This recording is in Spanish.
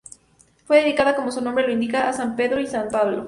Fue dedicada como su nombre lo indica a San Pedro y San Pablo.